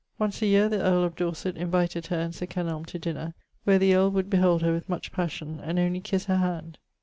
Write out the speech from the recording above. Once a yeare the earle of Dorset invited her and Sir Kenelme to dinner, where the earle would behold her with much passion, and only kisse her hand.